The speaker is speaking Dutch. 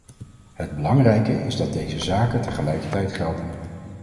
Het belangrijke is dat deze zaken tegelijkertijd gelden.